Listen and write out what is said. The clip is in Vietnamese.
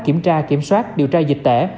kiểm tra kiểm soát điều tra dịch tễ